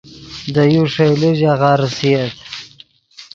دے یو ݰئیلے ژاغہ ریسییت